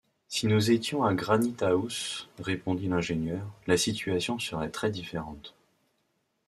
Si nous étions à Granite-house, répondit l’ingénieur, la situation serait très-différente